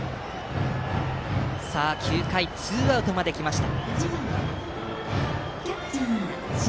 ９回ツーアウトまで来ました。